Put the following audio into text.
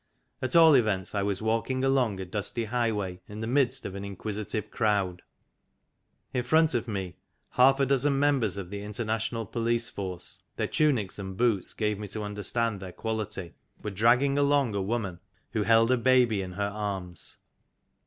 At all events I was walking along a dusty highway in the midst of an inquisitive crowd. In front of me half a dozen members of the International Police Force (their tunics and boots gave me to understand their quality) were dragging along a woman who held a baby in her arms.